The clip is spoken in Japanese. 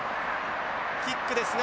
キックですが。